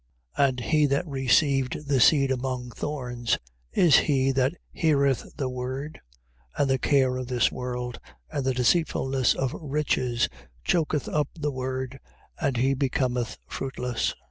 13:22. And he that received the seed among thorns, is he that heareth the word, and the care of this world and the deceitfulness of riches choketh up the word, and he becometh fruitless.